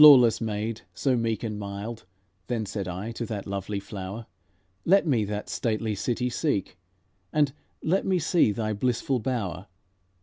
"Flawless maid so mild and meek," Then said I to that lovely flower: "Let me that stately city seek, And let me see thy blissful bower."